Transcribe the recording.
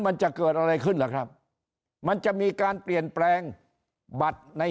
มันจะเกิดอะไรขึ้นล่ะครับมันจะมีการเปลี่ยนแปลงบัตรใน